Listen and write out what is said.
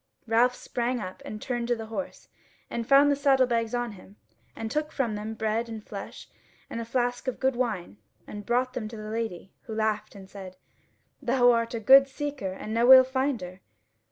Ralph sprang up and turned to the horse, and found the saddle bags on him, and took from them bread and flesh, and a flask of good wine, and brought them to the Lady, who laughed and said: "Thou art a good seeker and no ill finder."